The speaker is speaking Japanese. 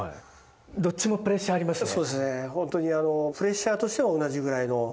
どっちもプレッシャーありますね。